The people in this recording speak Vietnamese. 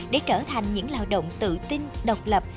để trở thành những lao động tự tin độc lập